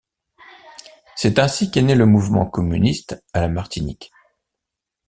C'est ainsi qu'est né le mouvement communiste à la Martinique.